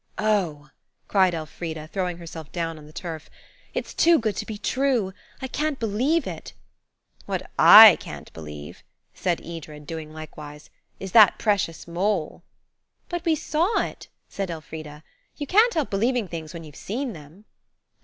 "Oh!" cried Elfrida, throwing herself down on the turf, "it's too good to be true. I can't believe it." "What I can't believe," said Edred, doing likewise, "is that precious mole." "But we saw it," said Elfrida; "you can't help believing things when you've seen them."